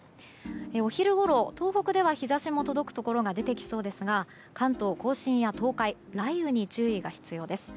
お昼ごろ、東北では日差しも届くところが出てきそうですが関東・甲信や東海雷雨に注意が必要です。